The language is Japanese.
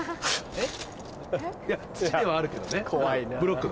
えっ？